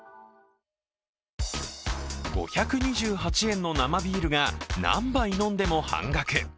５２８円の生ビールが何杯飲んでも半額。